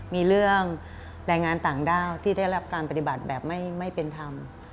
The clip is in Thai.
มีเรื่องแรงงานต่างด้าวที่ได้รับการปฏิบัติแบบไม่เป็นธรรม